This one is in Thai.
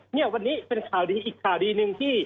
เนี่ยวันนี้เป็นข่าวดีอีกข่าวดีหนึ่งที่